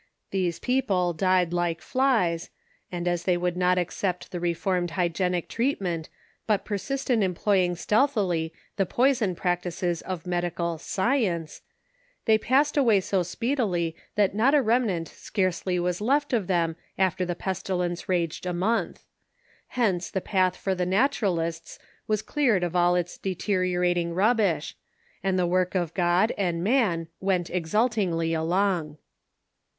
These people died like flies ; and as they would not accept the reformed hygienic treatment, but persist in employing stealthily the poison practices of medical science (V), they passed away so speedily that not a remnant scarcely was left of them after the pestilence raged a month ; hence the path for the Naturalists was cleared of all its deteriorating rubbish, and the work of God and man went exultingly along.